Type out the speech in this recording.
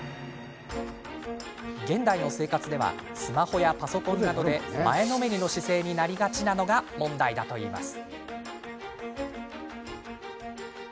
現代の生活ではスマホやパソコンなどで前のめりの姿勢になりがちなのが問題だといいます。